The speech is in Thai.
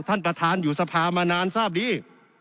ท่านประธานอยู่สภามานานทราบดี